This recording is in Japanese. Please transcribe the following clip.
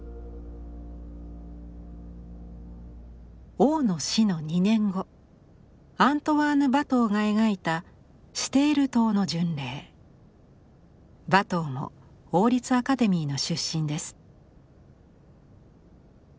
王の死の２年後アントワーヌ・ヴァトーが描いたヴァトーも王立アカデミーの出身です。